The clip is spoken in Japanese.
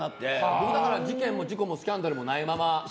僕、だから事件もスキャンダルもないまま。